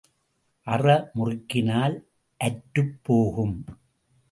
அற முறுக்கினால் அற்றுப் போகும்.